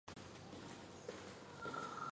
蕨萁为阴地蕨科阴地蕨属下的一个种。